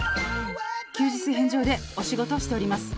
「休日返上でお仕事しております」